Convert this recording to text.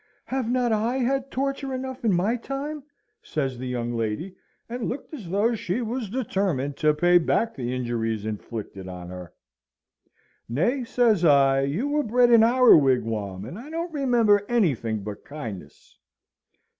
"Have not I had torture enough in my time?" says the young lady, and looked as though she was determined to pay back the injuries inflicted on her. "Nay," says I, "you were bred in our wigwam, and I don't remember anything but kindness!"